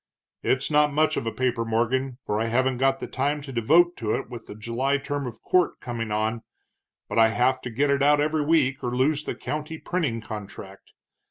It's not much of a paper, Morgan, for I haven't got the time to devote to it with the July term of court coming on, but I have to get it out every week or lose the county printing contract.